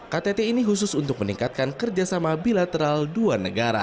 ktt ini khusus untuk meningkatkan kerjasama bilateral dua negara